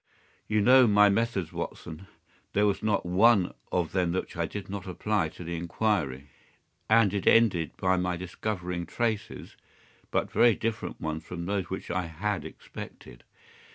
You know my methods, Watson. There was not one of them which I did not apply to the inquiry. And it ended by my discovering traces, but very different ones from those which I had expected.